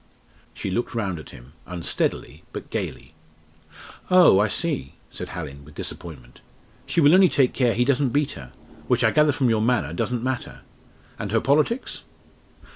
'" She looked round at him, unsteadily, but gaily. "Oh! I see," said Hallin, with disappointment, "she will only take care he doesn't beat her which I gather from your manner doesn't matter. And her politics?"